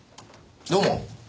どうも。